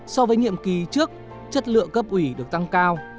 so với nhiệm kỳ trước chất lượng cấp ủy được tăng cao